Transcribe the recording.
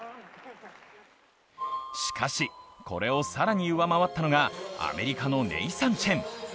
しかし、これを更に上回ったのがアメリカのネイサン・チェン。